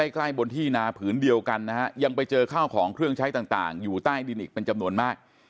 ใกล้บนที่นาผืนเดียวกันนะฮะยังไปเจอข้าวของเครื่องใช้ต่างอยู่ใต้ดินอีกเป็นจำนวนมาก